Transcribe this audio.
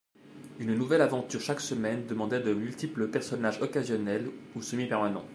Une nouvelle aventure chaque semaine demandait de multiples personnages occasionnels ou semi-permanents.